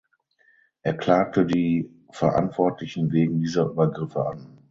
Er klagte die Verantwortlichen wegen dieser Übergriffe an.